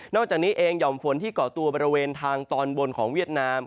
อกจากนี้เองห่อมฝนที่เกาะตัวบริเวณทางตอนบนของเวียดนาม